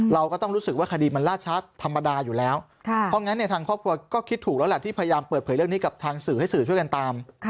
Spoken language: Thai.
เราก็ต้องรู้สึกว่าคดีมันล่าช้าธรรมดาอยู่แล้วเพราะงั้นทางครอบครัวก็คิดถูกแล้วแหละที่พยายามเปิดเผยเรื่องนี้กับทางสื่อให้สื่อช่วยกันตาม